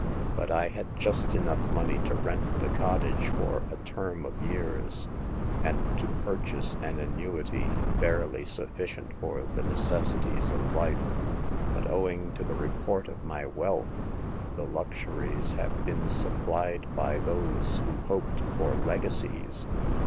But I had just enough money to rent the cottage for a term of years, and to purchase an annuity barely sufficient for the necessities of life. But, owing to the report of my wealth, the luxuries have been supplied by those who hoped for legacies.